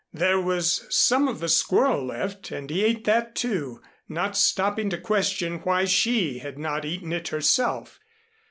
There was some of the squirrel left and he ate that, too, not stopping to question why she had not eaten it herself.